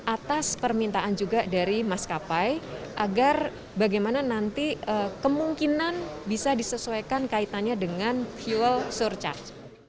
atas permintaan juga dari maskapai agar bagaimana nanti kemungkinan bisa disesuaikan kaitannya dengan fuel surcharge